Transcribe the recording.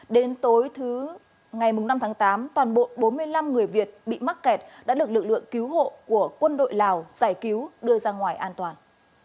đến tối thứ ngày năm tháng tám toàn bộ bốn mươi năm người việt bị mắc kẹt đã được lực lượng cứu hộ của quân đội lào giải cứu đưa ra ngoài an toàn